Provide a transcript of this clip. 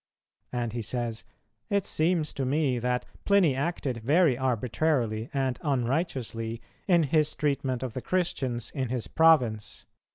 "[232:1] And he says, "It seems to me that Pliny acted very arbitrarily and unrighteously, in his treatment of the Christians in his province.